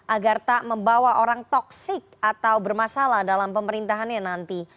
agar tak membawa orang toksik atau bermasalah dalam pemerintahannya nanti